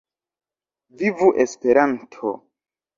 Vivu Esperanto!